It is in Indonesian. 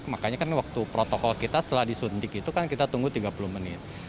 makanya kan waktu protokol kita setelah disuntik itu kan kita tunggu tiga puluh menit